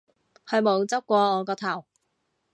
佢冇執過我個頭